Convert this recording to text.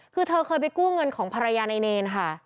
คือเธอเคยไปกู้เงินของภรรยาในเนรค่ะ